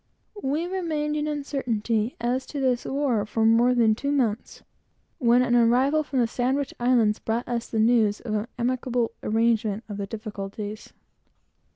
We remained in uncertainty as to this war for more than two months, when an arrival from the Sandwich Islands brought us the news of an amicable arrangement of the difficulties.